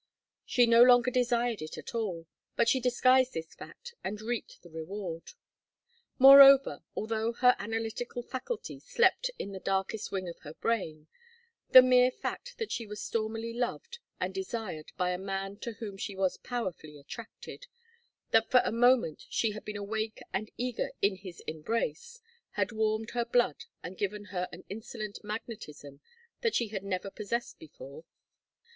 She no longer desired it at all, but she disguised this fact, and reaped the reward. Moreover, although her analytical faculty slept in the darkest wing of her brain, the mere fact that she was stormily loved and desired by a man to whom she was powerfully attracted, that for a moment she had been awake and eager in his embrace, had warmed her blood and given her an insolent magnetism that she had never possessed before.